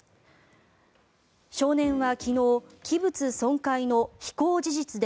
少年は昨日器物損壊の非行事実で